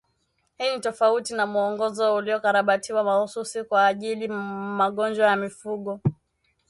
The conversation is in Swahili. Hii ni tofauti na mwongozo uliokarabatiwa mahsusi kwa ajili magonjwa ya mifugo